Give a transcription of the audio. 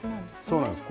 そうなんです。